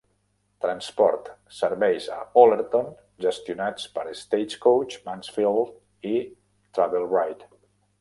Transport: serveis a Ollerton gestionats per Stagecoach Mansfield i Travel Wright .